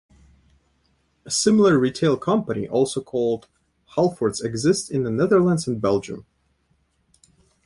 A similar retail company also called Halfords exists in the Netherlands and Belgium.